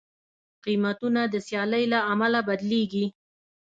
قیمتونه د سیالۍ له امله بدلېږي.